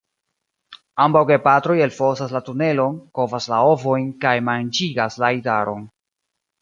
Ambaŭ gepatroj elfosas la tunelon, kovas la ovojn kaj manĝigas la idaron.